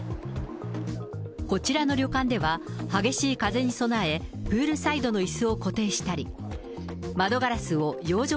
こちらの旅館では、激しい風に備え、プールサイドのいすを固定したり、窓ガラスを養生